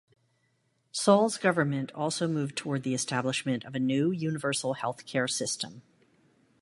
Sall's government also moved toward the establishment of a new universal healthcare system.